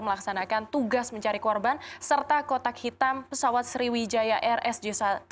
melaksanakan tugas mencari korban serta kotak hitam pesawat sriwijaya air sj satu ratus delapan puluh dua